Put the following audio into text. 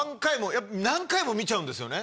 何回も見ちゃうんですよね。